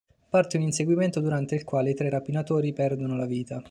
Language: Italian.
Parte un inseguimento durante il quale i tre rapinatori perdono la vita.